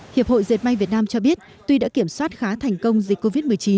hiệp hội diệt may việt nam cho biết tuy đã kiểm soát khá thành công dịch covid một mươi chín